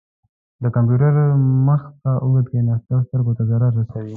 د کمپیوټر مخ کې اوږده کښیناستل سترګو ته ضرر رسوي.